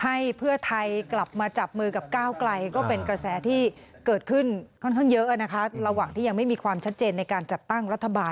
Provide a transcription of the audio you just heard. นั่นแหละครับมันทำให้การดำเนินไปออกได้แล้วก็สร้างความชัดเจน